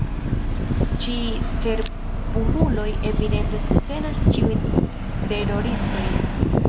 Ĉi cerbumuloj evidente subtenas ĉiujn teroristojn.